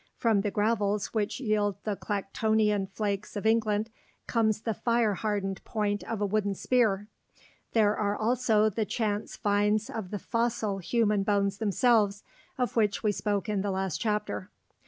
From the gravels which yield the Clactonian flakes of England comes the fire hardened point of a wooden spear. There are also the chance finds of the fossil human bones themselves, of which we spoke in the last chapter.